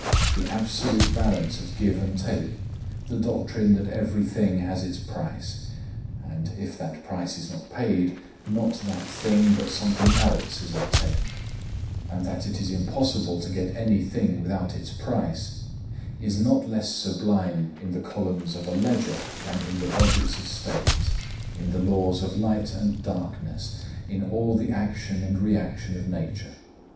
The absolute balance of Give and Take, the doctrine that every thing has its price,—and if that price is not paid, not that thing but something else is obtained, and that it is impossible to get any thing without its price,—is not less sublime in the columns of a leger than in the budgets of states, in the laws of light and darkness, in all the action and reaction of nature.